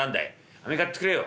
「飴買ってくれよ」。